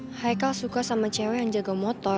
hai hai kau suka sama cewek jago motor